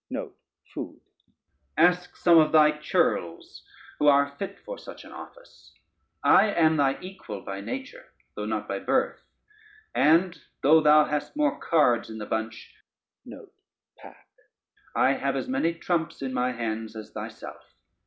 ask some of thy churls who are fit for such an office: I am thine equal by nature, though not by birth, and though thou hast more cards in the bunch, I have as many trumps in my hands as thyself.